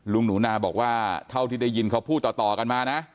ลุงหนูนาบอกว่าเท่าที่ได้ยินเขาพูดต่อกันมานะ